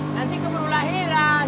nanti keburu lahiran